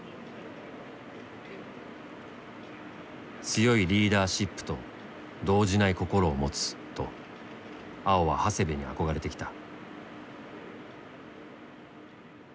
「強いリーダーシップと動じない心を持つ」と碧は長谷部に憧れてきた。